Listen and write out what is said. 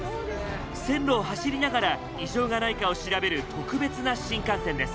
線路を走りながら異常がないかを調べる特別な新幹線です。